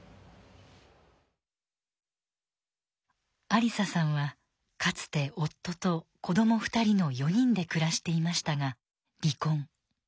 アリサさんはかつて夫と子供２人の４人で暮らしていましたが離婚。